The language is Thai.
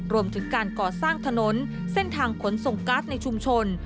รวมถึงการก่อสร้างถนนเส้นทางขนส่งการ์ดในชุมชน